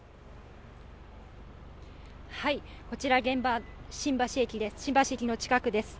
こちら現場、新橋駅の近くです。